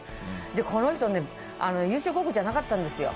でこの人ね優勝候補じゃなかったんですよ。